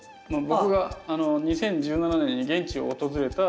僕が２０１７年に現地を訪れた。